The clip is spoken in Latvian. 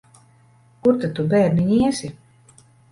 Kur tad tu, bērniņ, iesi?